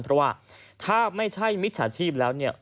เพราะว่าถ้าไม่ใช่มิจฉาชีพแล้วเนี่ย